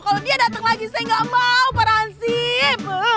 kalau dia dateng lagi saya gak mau para hansip